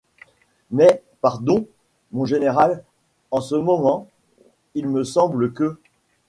Mais, pardon, mon général, en ce moment, il me semble que...